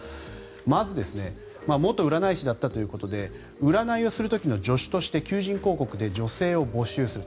まず元占い師だったということで占いをする時の助手として求人広告で女性を募集すると。